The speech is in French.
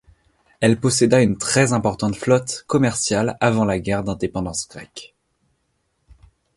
Elle posséda une très importante flotte commerciale avant la guerre d'indépendance grecque.